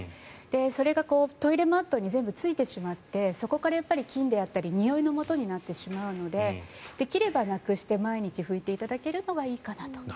それがトイレマットに全部ついてしまってそこから菌であったりにおいのもとになってしまうのでできればなくして毎日拭いていただくのがいいかと。